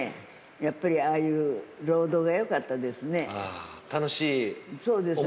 やっぱりああいう労働がよかった楽しい思い出ですか？